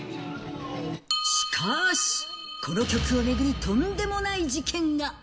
しかし、この曲を巡り、とんでもない事件が。